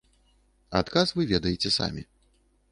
Адказ вы ведаеце самі.